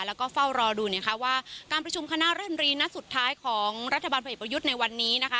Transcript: แล้วก็เฝ้ารอดูว่าการประชุมคณะรัฐมนีณสุดท้ายของรัฐบาลพยพยุทธในวันนี้